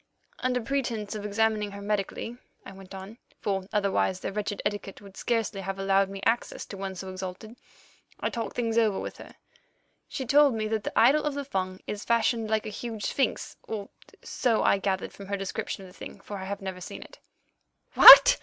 "Under pretence of attending her medically," I went on, "for otherwise their wretched etiquette would scarcely have allowed me access to one so exalted, I talked things over with her. She told me that the idol of the Fung is fashioned like a huge sphinx, or so I gathered from her description of the thing, for I have never seen it." "What!"